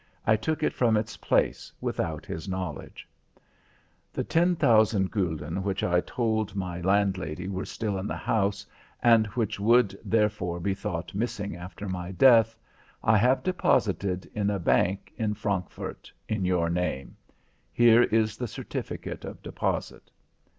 I took it from its place without his knowledge. The 10,000 gulden which I told my landlady were still in the house, and which would therefore be thought missing after my death, I have deposited in a bank in Frankfort in your name. Here is the certificate of deposit.